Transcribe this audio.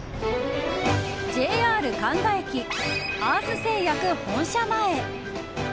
ＪＲ神田駅アース製薬本社前。